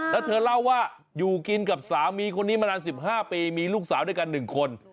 แล้วเธอเล่าว่าอยู่กินกับสามีคนนี้มานาน๑๕ปีมีลูกสาวด้วยกัน๑คน